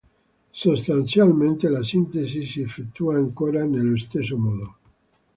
Sostanzialmente la sintesi si effettua ancora nello stesso modo.